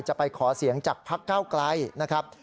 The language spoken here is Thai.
จะไปขอเสียงจากพักเก้าไกลนะครับ